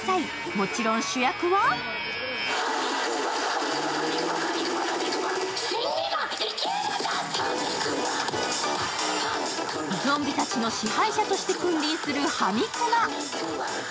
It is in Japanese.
もちろん主役はゾンビたちの支配者として君臨するハミクマ。